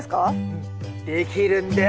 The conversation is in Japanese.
うんできるんです！